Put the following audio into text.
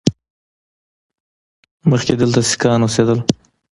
مخکې دلته سیکان اوسېدل